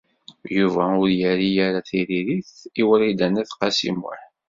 Yuba ur yerri ara tiririt i Wrida n At Qasi Muḥ.